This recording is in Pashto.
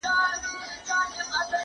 خصوصي تشبثات د هیواد اقتصاد پیاوړی کوي.